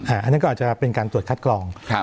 อันนั้นก็อาจจะเป็นการตรวจคัดกรอง